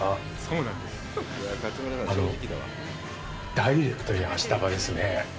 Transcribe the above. ダイレクトに明日葉ですね。